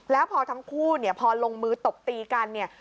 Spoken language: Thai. แล้วพอทั้งคู่เนี่ยพอลงมือตบตีกันเนี่ย